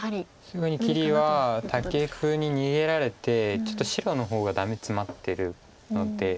すぐに切りはタケフに逃げられてちょっと白の方がダメツマってるので。